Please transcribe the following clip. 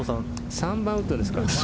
３番ウッドですかね。